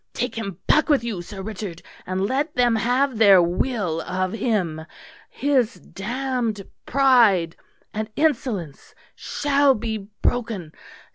Take him back with you, Sir Richard, and let them have their will of him. His damned pride and insolence shall be broken.